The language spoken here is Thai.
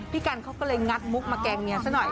กันเขาก็เลยงัดมุกมาแกล้งเมียซะหน่อย